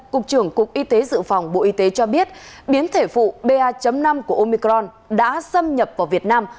cục trưởng cục y tế dự phòng bộ y tế cho biết biến thể phụ ba năm của omicron đã xâm nhập vào việt nam